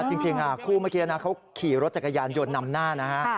จริงคู่เมื่อกี้นะเขาขี่รถจักรยานยนต์นำหน้านะฮะ